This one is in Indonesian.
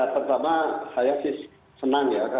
pertama saya senang